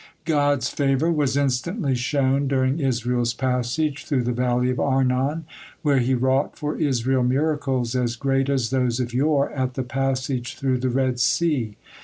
God's favor was instantly shown during Israel's passage through the valley of Arnon, where He wrought for Israel miracles as great as those of yore at the passage through the Red Sea.